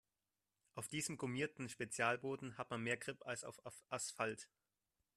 Auf diesem gummierten Spezialboden hat man mehr Grip als auf Asphalt.